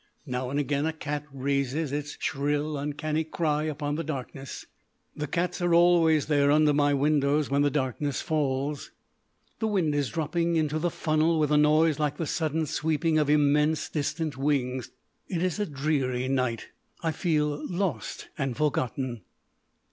Now and again a cat raises its shrill, uncanny cry upon the darkness. The cats are always there under my windows when the darkness falls. The wind is dropping into the funnel with a noise like the sudden sweeping of immense distant wings. It is a dreary night. I feel lost and forgotten.